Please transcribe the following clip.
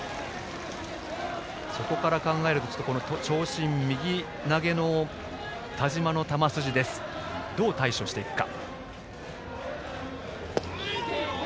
そこから考えると長身右投げの田嶋の球筋どう対処していくか。